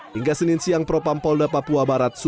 hingga senin siang propampolda papua barat